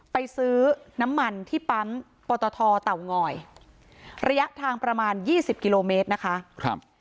ไปซื้อน้ำมันที่ปั๊มปตทเตางอยระยะทางประมาณยี่สิบกิโลเมตรนะคะครับ